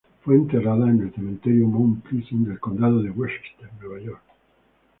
Fue enterrada en el Cementerio Mount Pleasant del Condado de Westchester, Nueva York.